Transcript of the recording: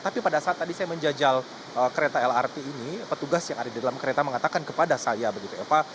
tapi pada saat tadi saya menjajal kereta lrt ini petugas yang ada di dalam kereta mengatakan kepada saya begitu eva